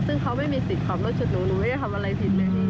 ซึ่งเขาไม่มีสิทธิ์ขับรถชุดหนูหนูไม่ได้ทำอะไรผิดเลย